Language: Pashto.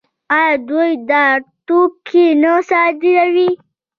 آیا دوی دا توکي نه صادروي؟